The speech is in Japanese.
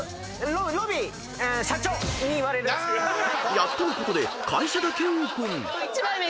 ［やっとのことで「会社」だけオープン］